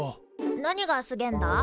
何がすげえんだ？